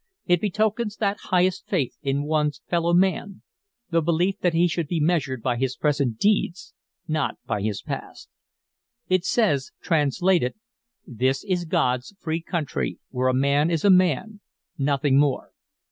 It betokens that highest faith in one's fellow man, the belief that he should be measured by his present deeds, not by his past. It says, translated: "This is God's free country where a man is a man, nothing more.